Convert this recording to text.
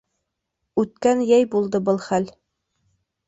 Үткән йәй булды был хәл.